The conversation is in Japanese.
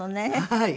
はい。